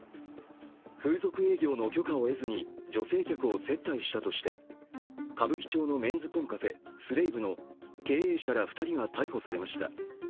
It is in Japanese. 風俗営業の許可を得ずに女性客を接待したとして歌舞伎町のメンズコンカフェＳｌａｖｅの経営者ら２人が逮捕されました。